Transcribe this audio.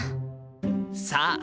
さあ！